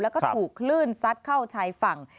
แล้วก็ถูกคลื่นซัดเข้าชายฝั่ง